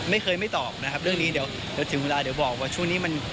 ไม่เคยไม่ตอบนะครับเรื่องนี้เดี๋ยวถึงเวลาเดี๋ยวบอกว่าช่วงนี้มัน